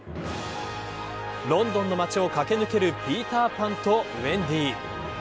ロンドンの街を駆け抜けるピーターパンとウェンディ。